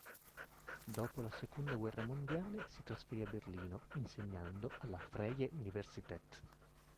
Dopo la seconda guerra mondiale, si trasferì a Berlino, insegnando alla Freie Universität.